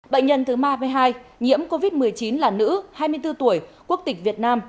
bệnh nhân thứ ba với hai nhiễm covid một mươi chín là nữ hai mươi bốn tuổi quốc tịch việt nam